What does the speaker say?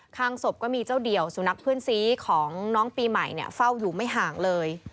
ข้างศพก็มีเจ้าเดี่ยวสุนัขเพื่อนซีของน้องปีใหม่เฝ้าอยู่ไม่ห่างเลย